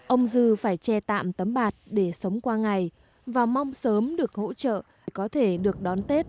ông dư phải che tạm tấm bạt để sống qua ngày và mong sớm được hỗ trợ có thể được đón tết